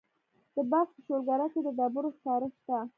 د بلخ په شولګره کې د ډبرو سکاره شته.